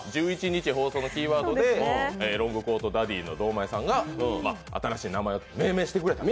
１１日放送のキーワードでロングコートダディの堂前さんが新しい名前を命名してくれた。